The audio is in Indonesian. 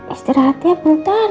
istirahat ya bentar